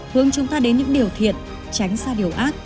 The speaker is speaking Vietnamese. hướng chúng ta đến những điều thiện tránh xa điều ác